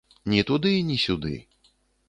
Ні туды, ні сюды.